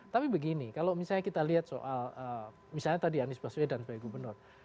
tapi begini kalau misalnya kita lihat soal misalnya tadi anies baswedan sebagai gubernur